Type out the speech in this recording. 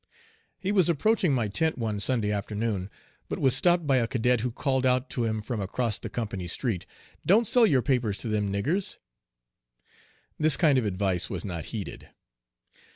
He was approaching my tent one Sunday afternoon but was stopped by a cadet who called out to him from across the company street, "Don't sell your papers to them niggers!" This kind advice was not heeded.